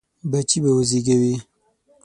بچي به وزېږوي.